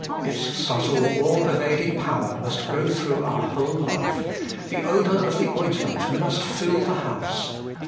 Its subtle, all pervading power must go through our whole life : the odour of the ointment must fill the house.